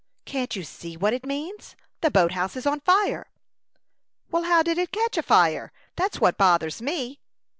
"Can't you see what it means? The boat house is on fire." "Well, how did it catch afire? That's what bothers me."